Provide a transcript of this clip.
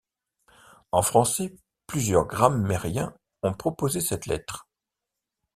En français, plusieurs grammairiens ont proposé cette lettre.